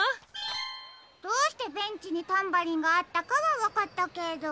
どうしてベンチにタンバリンがあったかはわかったけど。